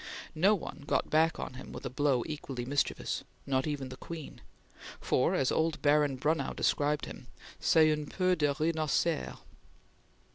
No one got back on him with a blow equally mischievous not even the Queen for, as old Baron Brunnow described him: "C'est une peau de rhinocere!"